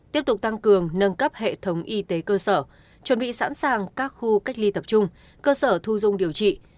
tiếp tục tăng cường nâng cấp hệ thống y tế cơ sở chuẩn bị sẵn sàng các khu cách ly tập trung cơ sở thu dung điều trị